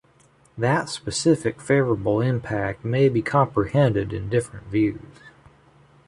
That specific favourable impact may be comprehended in different views.